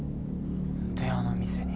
であの店に。